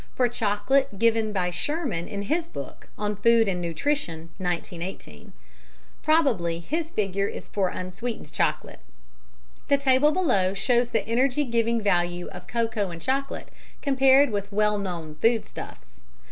for chocolate given by Sherman in his book on Food and Nutrition (1918). Probably his figure is for unsweetened chocolate. The table below shows the energy giving value of cocoa and chocolate compared with well known foodstuffs.